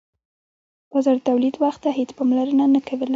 بازار د تولید وخت ته هیڅ پاملرنه نه کوله.